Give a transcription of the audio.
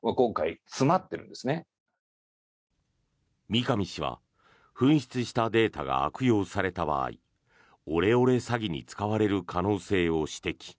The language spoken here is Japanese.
三上氏は紛失したデータが悪用された場合オレオレ詐欺に使われる可能性を指摘。